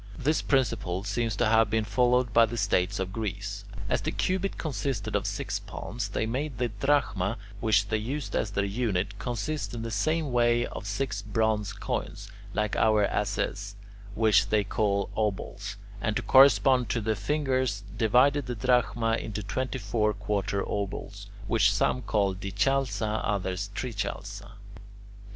This principle seems to have been followed by the states of Greece. As the cubit consisted of six palms, they made the drachma, which they used as their unit, consist in the same way of six bronze coins, like our asses, which they call obols; and, to correspond to the fingers, divided the drachma into twenty four quarter obols, which some call dichalca others trichalca. 8.